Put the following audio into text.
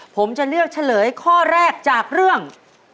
ผมจะเลือกเฉลยข้อแรกจากเรื่อง